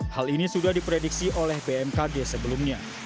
hal ini sudah diprediksi oleh bmkg sebelumnya